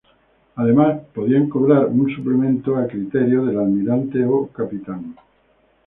Además podían cobrar un suplemento a criterio del almirante o capitán.